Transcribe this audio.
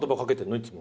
いつも。